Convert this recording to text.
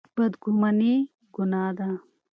بدګماني ګناه ده.